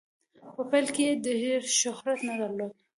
په پیل کې یې ډیر شهرت نه درلود.